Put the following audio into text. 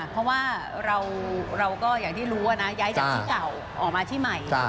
เพราะว่าเราก็อย่างที่รู้นะย้ายจากที่เก่าออกมาที่ใหม่